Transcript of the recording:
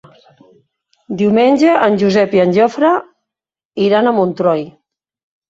Diumenge en Josep i en Jofre iran a Montroi.